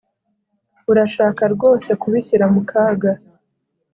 Urashaka rwose kubishyira mu kaga